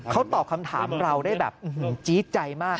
เขาตอบคำถามเราได้แบบจี๊ดใจมาก